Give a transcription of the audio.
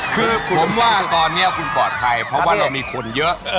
คือผมว่าตอนนี้คุณปลอดภัยเพราะว่าเรามีคนเยอะ